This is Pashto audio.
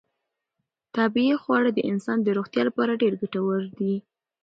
طبیعي خواړه د انسان د روغتیا لپاره ډېر ګټور دي.